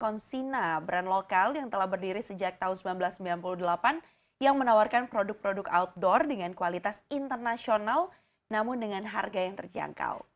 konsina brand lokal yang telah berdiri sejak tahun seribu sembilan ratus sembilan puluh delapan yang menawarkan produk produk outdoor dengan kualitas internasional namun dengan harga yang terjangkau